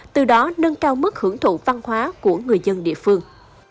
từ đó nâng cao mức hưởng thụ văn hóa của người dân địa phương